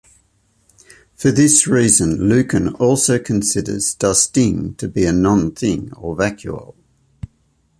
For this reason Lacan also considers "Das Ding" to be a non-Thing or vacuole.